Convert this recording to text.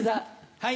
はい。